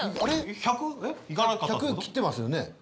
１００切ってますよね。